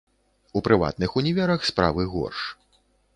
У прыватных універах справы горш.